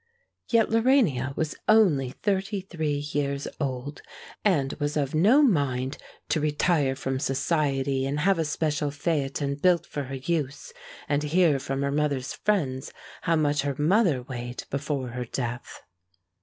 Yet Lorania was only thirty three years old, and was of no mind to retire from society, and have a special phaeton built for her use, and hear from her mother's friends how much her mother weighed before her death.